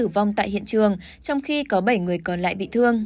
bong tại hiện trường trong khi có bảy người còn lại bị thương